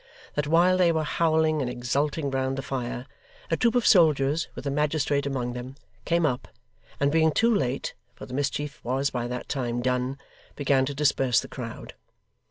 That while they were howling and exulting round the fire, a troop of soldiers, with a magistrate among them, came up, and being too late (for the mischief was by that time done), began to disperse the crowd.